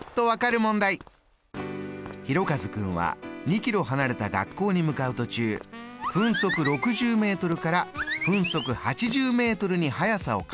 「ひろかず君は２ｋｍ離れた学校に向かう途中分速６０ｍから分速８０ｍに速さを変えました。